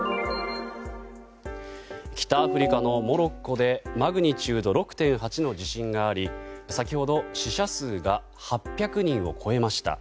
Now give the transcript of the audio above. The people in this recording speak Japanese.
北アフリカのモロッコでマグニチュード６．８の地震があり先ほど死者数が８００人を超えました。